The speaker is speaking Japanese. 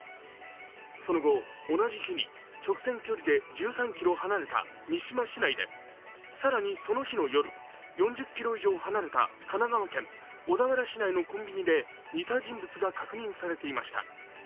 その後、同じ日に直線距離で１３ｋｍ離れた三島市内で、更に、その日の夜、４０ｋｍ以上離れた神奈川県小田原市内のコンビニで似た人物が確認されていました。